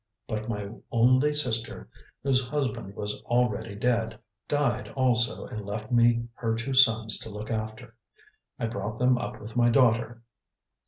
But my only sister, whose husband was already dead, died also and left me her two sons to look after. I brought them up with my daughter.